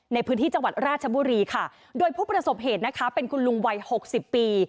ในพื้นที่จังหวัดราชบุรีค่ะโดยผู้ประสบเหตุนะคะเป็นคุณลุงวัยหกสิบปี